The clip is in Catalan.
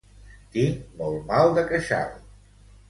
Tinc molt mal de queixal